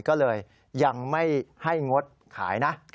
ก็เลยยังไม่ให้งดขายนะ